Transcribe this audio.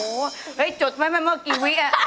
โอ้โฮจดไหมแม่มันเมื่อกี่วิค